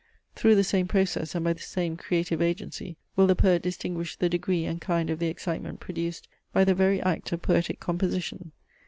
Through the same process and by the same creative agency will the poet distinguish the degree and kind of the excitement produced by the very act of poetic composition.